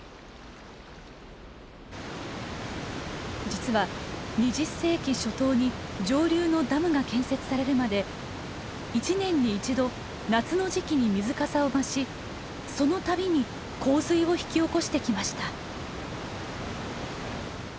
実は２０世紀初頭に上流のダムが建設されるまで一年に一度夏の時期に水かさを増しそのたびに洪水を引き起こしてきました。